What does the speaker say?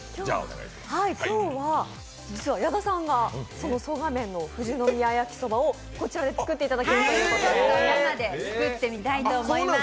今日は実は矢田さんが曽我めんの富士宮やきそばをこちらで作っていただけるということでお願いします！